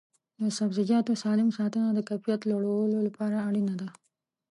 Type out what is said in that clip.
د سبزیجاتو سالم ساتنه د کیفیت لوړولو لپاره اړینه ده.